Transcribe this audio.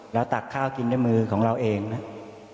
แล้วตักข้าวกินด้วยมือของเราเองนะ